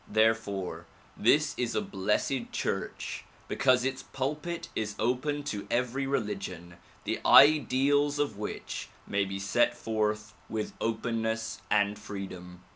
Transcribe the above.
Therefore this is a blessed church because its pulpit is open to every religion the ideals of which may be set forth with openness and freedom.